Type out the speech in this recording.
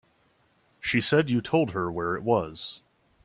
She said you told her where it was.